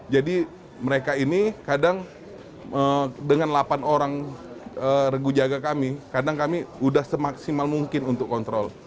jadi mereka ini kadang dengan delapan orang regu jaga kami kadang kami udah semaksimal mungkin untuk kontrol